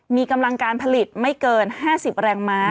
มีกำลังการผลิตไม่เกิน๕๐แรงม้า